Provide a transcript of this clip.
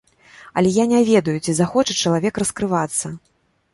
Але я не ведаю, ці захоча чалавек раскрывацца.